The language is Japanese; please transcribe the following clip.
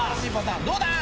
どうだ？